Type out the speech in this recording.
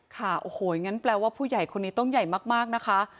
ค่ะโอ้โหงั้นแปลว่าผู้ใหญ่คนนี้ต้องใหญ่มากนะคะ